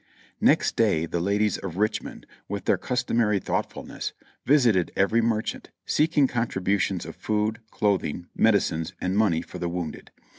Next day the ladies of Richmond, with their customary thought fulness, visited every merchant, seeking contributions of food, clothing, medicines and money for the wounded.